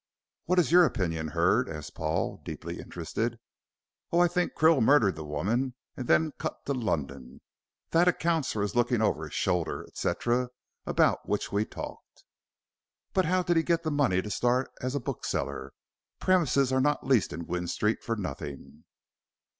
"What is your opinion, Hurd?" asked Paul, deeply interested. "Oh, I think Krill murdered the woman and then cut to London. That accounts for his looking over his shoulder, etc., about which we talked." "But how did he get money to start as a bookseller? Premises are not leased in Gwynne Street for nothing."